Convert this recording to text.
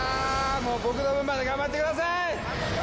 もう僕の分まで頑張ってください